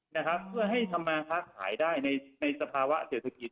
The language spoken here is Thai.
เพื่อให้ธรรมคาขายได้ในสภาวะเศรษฐกิจ